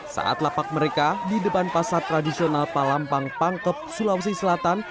saat lapak mereka di depan pasar tradisional palampang pangkep sulawesi selatan